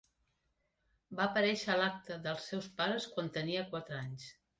Va aparèixer a l'acte dels seus pares quan tenia quatre anys.